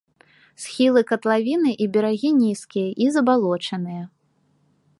Схілы катлавіны і берагі нізкія і забалочаныя.